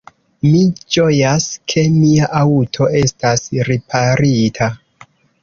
Mi ĝojas, ke mia aŭto estas riparita.